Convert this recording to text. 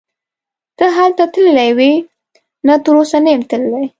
ته هلته تللی وې؟ نه تراوسه نه یم تللی.